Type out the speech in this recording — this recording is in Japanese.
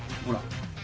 ほら。